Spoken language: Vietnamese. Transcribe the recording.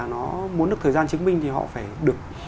nó muốn được thời gian chứng minh thì họ phải được